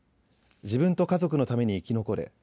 自分と家族のために生き残れ。